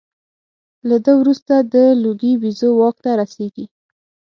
له ده وروسته د لوګي بیزو واک ته رسېږي.